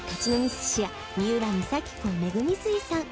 寿司屋三浦三崎港めぐみ水産